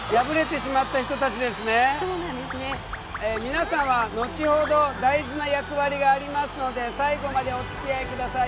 皆さんは後ほど大事な役割がありますので最後までおつきあい下さい。